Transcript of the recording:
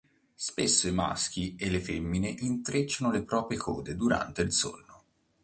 Spesso i maschi e le femmine intrecciano le proprie code durante il sonno.